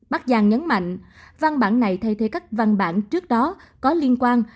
bắc giang nhấn mạnh văn bản này thay thế các văn bản trước đó có liên quan